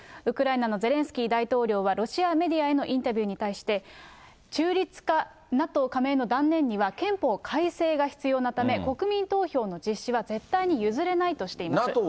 ウクライナのゼレンスキー大統領は、ロシアメディアへのインタビューに対して、中立化、ＮＡＴＯ加盟の断念には憲法改正が必要なため、国民投票の実施は絶対に譲れないとしています。